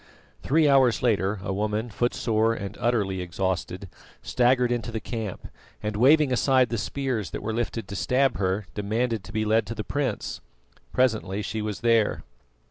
Three hours later a woman, footsore and utterly exhausted, staggered into the camp, and waving aside the spears that were lifted to stab her, demanded to be led to the prince. Presently she was there.